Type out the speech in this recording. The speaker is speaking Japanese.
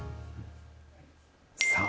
さあ。